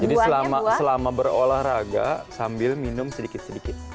selama berolahraga sambil minum sedikit sedikit